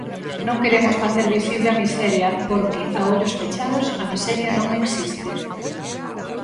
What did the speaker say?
Non queremos facer visible a miseria porque a ollos pechados a miseria non existe.